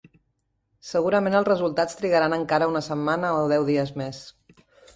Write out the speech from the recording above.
Segurament els resultats trigaran encara una setmana o deu dies més.